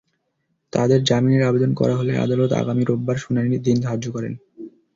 তাদের জামিনের আবেদন করা হলে আদালত আগামী রোববার শুনানির দিন ধার্য করেন।